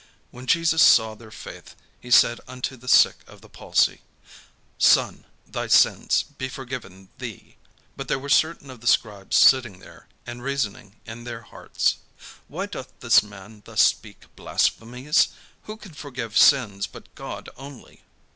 When Jesus saw their faith, he said unto the sick of the palsy: "Son, thy sins be forgiven thee." But there were certain of the scribes sitting there, and reasoning in their hearts: "Why doth this man thus speak blasphemies? Who can forgive sins but God only?"